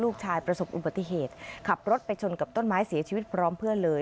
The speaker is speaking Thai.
ประสบอุบัติเหตุขับรถไปชนกับต้นไม้เสียชีวิตพร้อมเพื่อนเลย